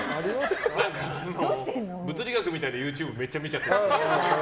物理学みたいなＹｏｕＴｕｂｅめっちゃ見ちゃったり。